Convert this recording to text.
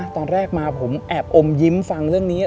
ตอนแรกมาผมแอบอมยิ้มฟังเรื่องนี้